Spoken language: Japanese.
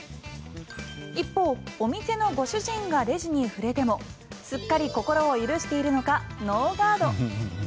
一方、お店のご主人がレジに触れてもすっかり心を許しているのかノーガード。